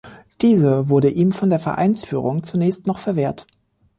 Diese wurde ihm von der Vereinsführung zunächst noch verwehrt.